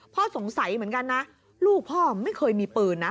พ่อสงสัยเหมือนกันนะลูกพ่อไม่เคยมีปืนนะ